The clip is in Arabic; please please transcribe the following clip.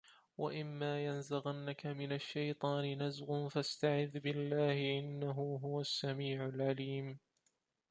وَإِمّا يَنزَغَنَّكَ مِنَ الشَّيطانِ نَزغٌ فَاستَعِذ بِاللَّهِ إِنَّهُ هُوَ السَّميعُ العَليمُ